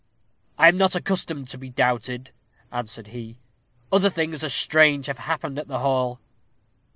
"I am not accustomed to be doubted," answered he. "Other things as strange have happened at the hall."